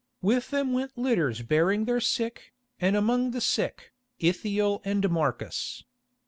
With them went litters bearing their sick, and among the sick, Ithiel and Marcus.